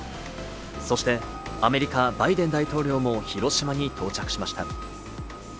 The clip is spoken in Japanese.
そしてアメリカ・バイデン大統領も広島に到着しました。